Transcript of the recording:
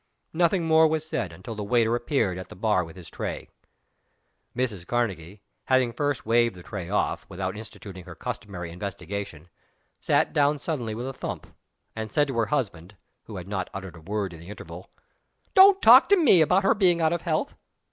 Nothing more was said until the waiter appeared at the bar with his tray. Mrs. Karnegie, having first waived the tray off, without instituting her customary investigation, sat down suddenly with a thump, and said to her husband (who had not uttered a word in the interval), "Don't talk to Me about her being out of health!